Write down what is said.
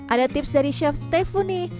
ada tips dari chef stefu nih